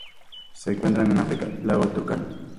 Se encuentran en África: lago Turkana.